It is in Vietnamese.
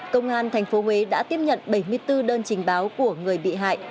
công an thành phố huế đã tiếp nhận bảy mươi bốn đơn trình báo của người bị hại